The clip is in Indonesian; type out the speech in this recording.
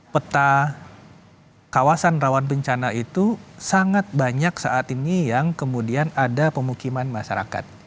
peta kawasan rawan bencana itu sangat banyak saat ini yang kemudian ada pemukiman masyarakat